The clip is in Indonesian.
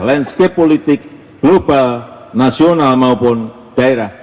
landscape politik global nasional maupun daerah